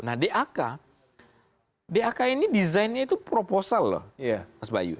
nah dak dak ini desainnya itu proposal loh mas bayu